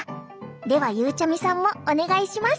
ではゆうちゃみさんもお願いします。